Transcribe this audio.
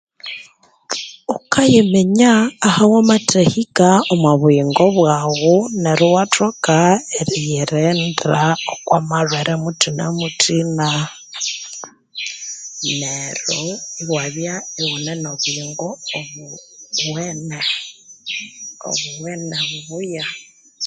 Ghukayiminya aha wamathahika omu buyingo bwaghu neryo iwathoka eriyi rinda oku malhwere muthina-muthina , neryo iwabya ighune no buyingo obuwene obuwene obubuya